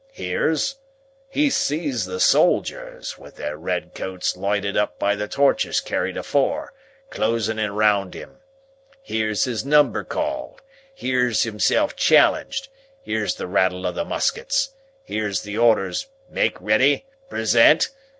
Hears? He sees the soldiers, with their red coats lighted up by the torches carried afore, closing in round him. Hears his number called, hears himself challenged, hears the rattle of the muskets, hears the orders 'Make ready! Present!